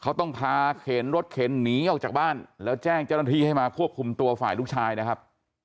เขาต้องพาเข็นรถเข็นหนีออกจากบ้านแล้วแจ้งเจ้าหน้าที่ให้มาควบคุมตัวฝ่ายลูกชายนะครับ